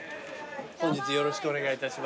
本日よろしくお願いいたします。